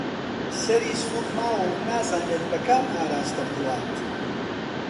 سەری سووڕماوە و نازانێت بە کام ئاراستە بڕوات